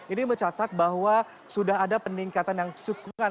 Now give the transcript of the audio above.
ini mencatat bahwa sudah ada peningkatan yang cukup kan